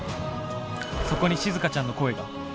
そこにしずかちゃんの声が。